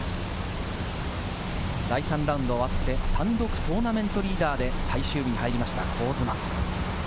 第３ラウンドが終わって、単独トーナメントリーダーで最終日に入りました香妻。